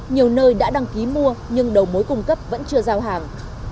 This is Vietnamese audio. nhiều nơi đã đăng ký mua nhưng đầu mối cung cấp vẫn chưa giao hàng